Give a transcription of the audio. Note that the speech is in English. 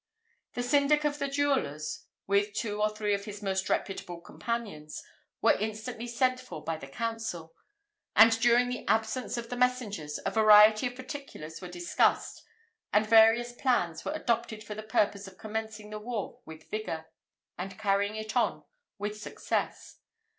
The syndic of the jewellers, with two or three of his most reputable companions, were instantly sent for by the council; and during the absence of the messengers, a variety of particulars were discussed, and various plans were adopted for the purpose of commencing the war with vigour, and carrying it on with success.